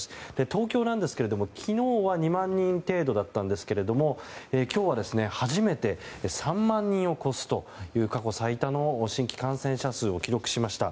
東京なんですが、昨日は２万人程度だったんですが今日は初めて３万人を超すという過去最多の新規感染者数を記録しました。